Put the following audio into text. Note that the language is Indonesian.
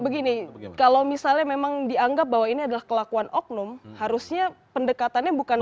begini kalau misalnya memang dianggap bahwa ini adalah kelakuan oknum harusnya pendekatannya bukan